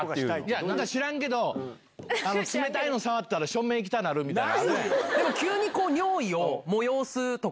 何か知らんけど冷たいの触ったら小便行きたなるみたいな。